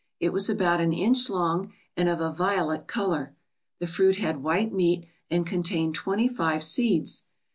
It was about an inch long and of a violet color. The fruit had white meat and contained twenty five seeds.